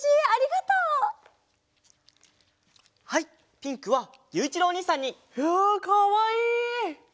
ピンクはゆういちろうおにいさんに！わあかわいい！